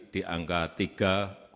di angka tiga